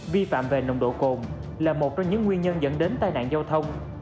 vi phạm về nồng độ cồn là một trong những nguyên nhân dẫn đến tai nạn giao thông